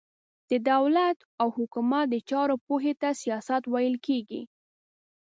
د دولت او حکومت د چارو پوهي ته سياست ويل کېږي.